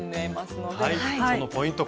そのポイント